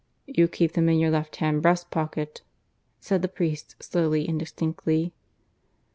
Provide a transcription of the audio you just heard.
"You keep them in your left hand breast pocket," said the priest slowly and distinctly.